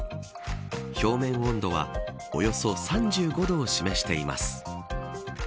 表面温度はおよそ３５度を示しています。